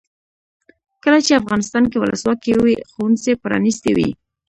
کله چې افغانستان کې ولسواکي وي ښوونځي پرانیستي وي.